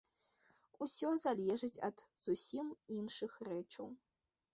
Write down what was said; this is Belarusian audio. Усё залежыць ад зусім іншых рэчаў.